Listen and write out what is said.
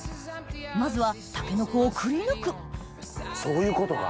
まずはタケノコをくりぬくそういうことか！